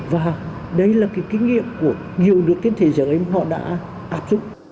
và đấy là cái kinh nghiệm của nhiều nước thế giới họ đã áp dụng